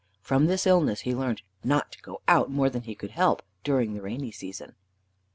From this illness he learned not to go out more than he could help during the rainy season.